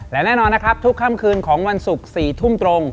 และแน่นอนนะครับทุกค่ำคืนของวันศุกร์๔ทุ่มตรง